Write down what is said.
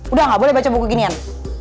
udah nggak boleh baca buku ginian